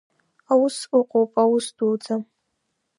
Аус ыҟоуп, аус дуӡӡа.